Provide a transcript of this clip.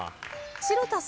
城田さん。